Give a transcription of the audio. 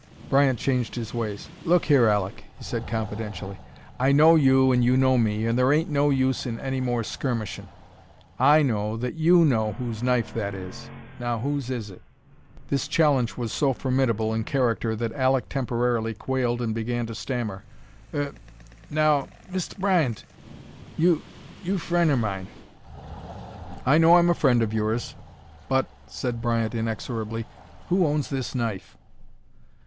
Bryant changed his ways. "Look here, Alek," he said, confidentially: "I know you and you know me, and there ain't no use in any more skirmishin'. I know that you know whose knife that is. Now whose is it?" This challenge was so formidable in character that Alek temporarily quailed and began to stammer. "Er now Mist' Bryant you you frien' er mine " "I know I'm a friend of yours, but," said Bryant, inexorably, "who owns this knife?"